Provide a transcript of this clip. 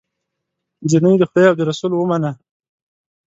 جینۍ د خدای او د رسول ومنه